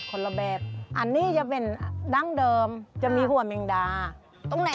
ขอสัก๒ผืนได้ไหมอย่ามนาน๑๐๓๐๐